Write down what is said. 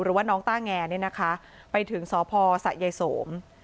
หรือว่าน้องต้าแงเนี่ยนะคะไปถึงสพสะยายสม